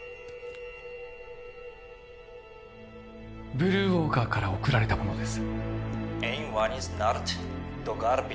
ブルーウォーカーから送られたものです